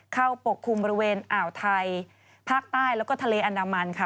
ปกคลุมบริเวณอ่าวไทยภาคใต้แล้วก็ทะเลอันดามันค่ะ